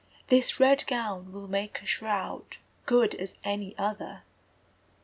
This red gown will make a shroud Good as any other!